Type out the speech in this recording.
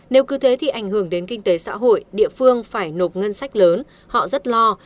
nếu cứ thế thì ảnh hưởng đến kinh tế xã hội địa phương phải nộp ngân sách lớn họ rất lo